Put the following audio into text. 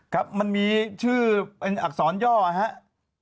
ครับมันมีชื่อเป็นอักษรย่อนะครับ